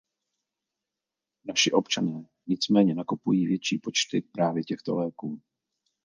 Naši občané nicméně nakupují větší počty právě těchto léků.